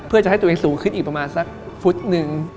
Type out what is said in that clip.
เพื่อจะให้ตัวเองสูงขึ้นอีกประมาณสักฟุตนึง